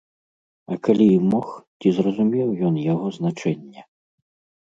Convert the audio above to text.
А калі і мог, ці зразумеў ён яго значэнне?